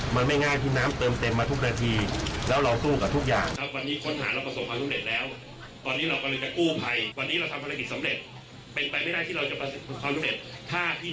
มันไม่ง่ายที่น้ำเติมเต็มมาทุกนาที